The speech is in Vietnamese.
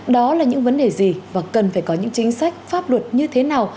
đó là những vấn đề gì và cần phải có những chính sách pháp luật như thế nào